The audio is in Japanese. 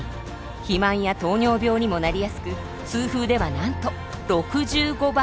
肥満や糖尿病にもなりやすく痛風ではなんと６５倍にも。